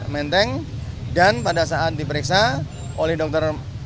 menteng tinggal di rekening pul bread dann die